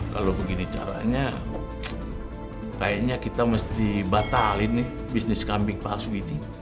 kalau begini caranya kayaknya kita mesti batalin nih bisnis kambing palsu ini